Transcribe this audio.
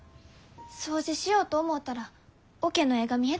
掃除しようと思うたら桶の絵が見えたき。